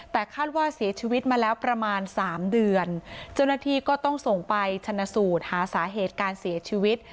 แต่คาดว่าเสียชีวิตมาแล้วประมาณสามเดือนเจ้าหน้าที่ก็ต้องส่งไปชนะสูตรหาสาเหตุการเสียชีวิต